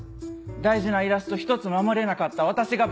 大事なイラストひとつ守れなかった私がバカでした。